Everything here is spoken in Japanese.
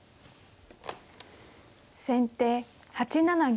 先手８七銀。